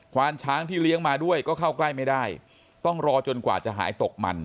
วานช้างที่เลี้ยงมาด้วยก็เข้าใกล้ไม่ได้ต้องรอจนกว่าจะหายตกมัน